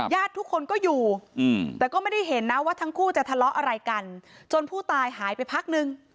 ญาติทุกคนก็อยู่แต่ก็ไม่ได้เห็นนะว่าทั้งคู่จะทะเลาะอะไรกันจนผู้ตายหายไปพักนึง